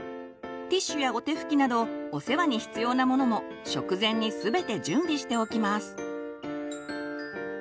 ティッシュやおてふきなどお世話に必要なものも食前に全て準備しておきます。